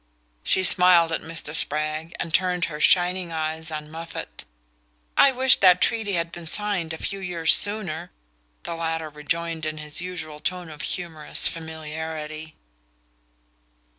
She smiled at Mr. Spragg and turned her shining eyes on Moffatt. "I wish that treaty had been signed a few years sooner!" the latter rejoined in his usual tone of humorous familiarity.